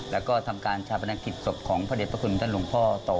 แล้วก็ทำการชาปนกิจศพของพระเด็จพระคุณท่านหลวงพ่อต่อ